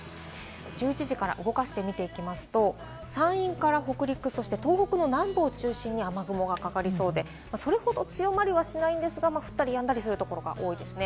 １１時から動かして見ていきますと、山陰から北陸、そして東北の南部を中心に雨雲がかかりそうで、それほど強まりはしないんですが、降ったりやんだりするところが多いですね。